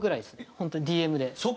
本当ＤＭで。